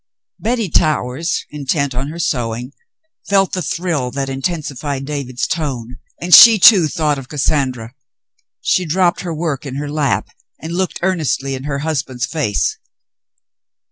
Betty Towers, intent on her sewing, felt the thrill that intensified David's tone, and she, too, thought of Cas sandra. She dropped her work in her lap and looked earnestly in her husband's face.